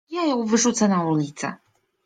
Ja ją wyrzucę na ulicę!